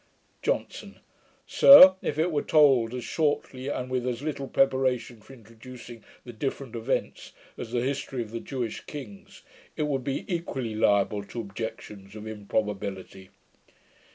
JOHNSON. 'Sir, if it were told as shortly, and with as little preparation for introducing the different events, as the history of the Jewish kings, it would be equally liable to objections of improbability.'